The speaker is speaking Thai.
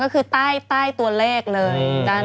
ก็คือใต้ตัวเลขเลย